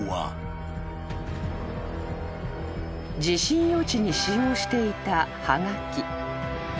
［地震予知に使用していたはがき］